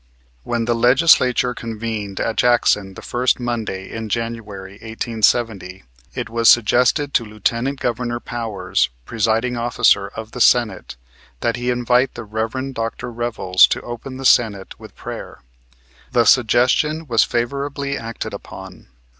When the Legislature convened at Jackson the first Monday in January, 1870, it was suggested to Lieutenant Governor Powers, presiding officer of the Senate, that he invite the Rev. Dr. Revels to open the Senate with prayer. The suggestion was favorably acted upon.